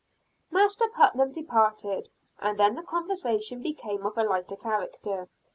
Master Putnam departed, and then the conversation became of a lighter character.